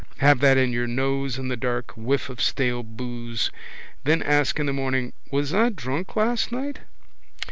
Have that in your nose in the dark, whiff of stale boose. Then ask in the morning: was I drunk last night?